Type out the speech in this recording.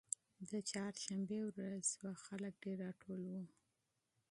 د چهارشنبې ورځ وه خلک ډېر راټول وو.